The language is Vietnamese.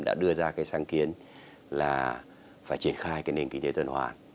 đã đưa ra cái sáng kiến là phải triển khai cái nền kinh tế tuần hoàn